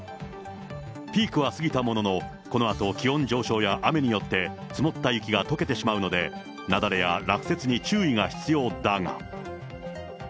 ピークは過ぎたものの、このあと気温上昇や雨によって、積もった雪がとけてしまうので、雪崩や落雪に注意が必要だが。